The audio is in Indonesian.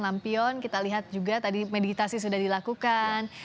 lampion kita lihat juga tadi meditasi sudah dilakukan